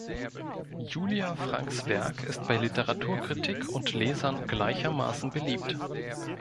Julia Francks Werk ist bei Literaturkritik und Lesern gleichermaßen beliebt.